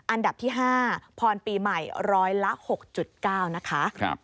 อันดับที่๕พรปีใหม่ร้อยละ๖๙นะคะ